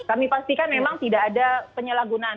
kami pastikan memang tidak ada penyalahgunaan